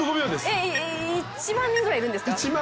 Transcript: １万人ぐらいいるんですか？